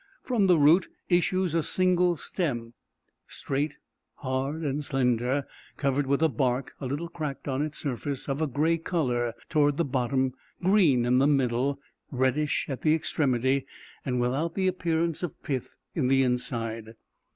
From the root issues a single stem, straight, hard, and slender, covered with a bark, a little cracked on its surface, of a gray color towards the bottom, green in the middle, reddish at the extremity, and without the appearance of pith in the inside.